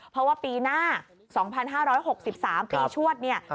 เพราะว่าปีหน้า๒๕๖๓ปีชวดเนี่ย